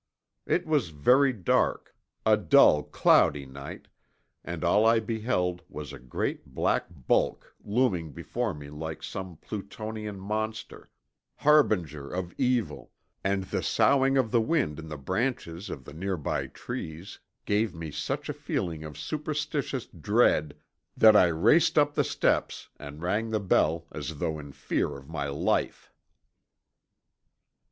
It was very dark, a dull, cloudy night, and all I beheld was a great black bulk looming before me like some Plutonian monster, harbinger of evil, and the soughing of the wind in the branches of the nearby trees gave me such a feeling of superstitious dread that I raced up the steps and rang the bell as though in fear of my life.